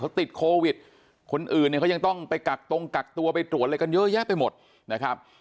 เขาติดโควิดคนอื่นเนี่ยเขายังต้องไปกักตรงกักตัวไปตรวจอะไรกันเยอะแยะไปหมดนะครับ